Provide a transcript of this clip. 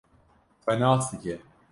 xwe nas dike